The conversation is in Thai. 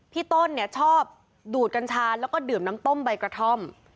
พี่ตนชอบดูดกัญชาและดื่มน้ำต้มใบกระทอม